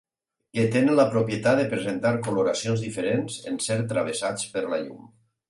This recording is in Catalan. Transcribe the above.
Que tenen la propietat de presentar coloracions diferents en ser travessats per la llum.